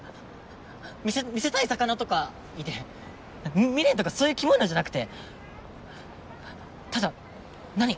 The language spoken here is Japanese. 見せたい魚とかいて未練とかそういうきもいのじゃなくてただなに？